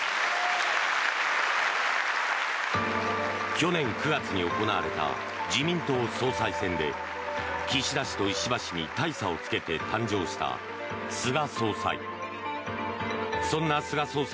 去年９月に行われた自民党総裁選で岸田氏と石破氏に大差をつけて誕生した菅総裁。